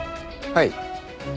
はい。